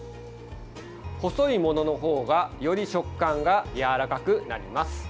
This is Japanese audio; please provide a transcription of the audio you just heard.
細いものの方がより食感がやわらかくなります。